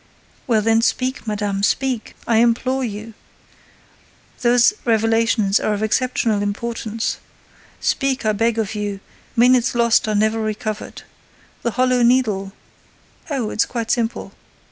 "Well, then, speak madame, speak, I implore you! Those revelations are of exceptional importance. Speak, I beg of you: minutes lost are never recovered. The Hollow Needle—" "Oh, it's quite simple.